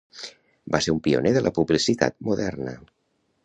Va ser un pioner de la publicitat moderna.